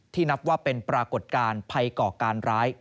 นับว่าเป็นปรากฏการณ์ภัยก่อการร้าย